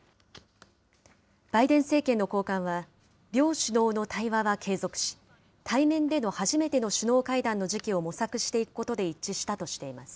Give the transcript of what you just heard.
バイデン政権の高官は、両首脳の会話は継続し、対面での初めての首脳会談の時期を模索していくことで一致したとしています。